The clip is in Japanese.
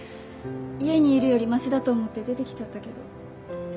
家にいるよりましだと思って出てきちゃったけど。